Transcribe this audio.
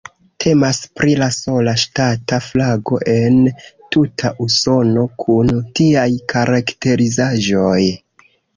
Temas pri la sola ŝtata flago en tuta Usono kun tiaj karakterizaĵoj.